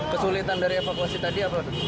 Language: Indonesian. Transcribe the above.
kesulitan dari evakuasi tadi apa